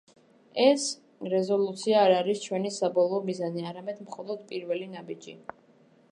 ეს რეზოლუცია არ არის ჩვენი საბოლოო მიზანი, არამედ მხოლოდ პირველი ნაბიჯი.